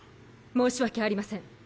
申し訳ありません。